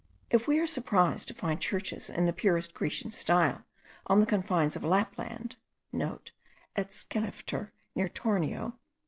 If we are surprised to find churches in the purest Grecian style on the confines of Lapland,* (* At Skelefter, near Torneo.